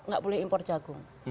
nggak boleh impor jagung